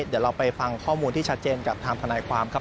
เดี๋ยวเราไปฟังข้อมูลที่ชัดเจนกับทางทนายความครับ